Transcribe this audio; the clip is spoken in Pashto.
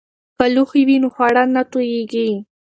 که لوښي وي نو خواړه نه توییږي.